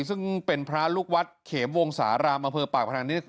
ซึ่งเป็นพระลูกวัดเข็มวงสารามอเมอร์ปากพระธรรมนี้